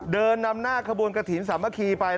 เดินนำหน้าขบุญกระถิ่นสามะคีไปนะครับ